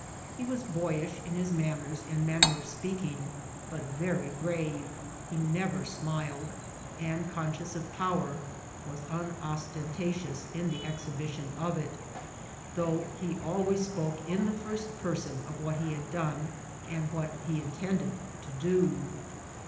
He was boyish in his manners and manner of speaking, but very pave ; he never smiled, and, conscious of power, was unostentatious in the ex hibition of it, though he always spoke in the first per son of what he had done and what he intended to do.